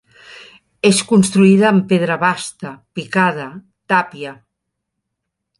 És construïda amb pedra basta, picada, tàpia.